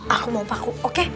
aku mau paku oke